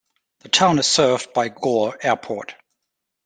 The town is served by Gore Airport.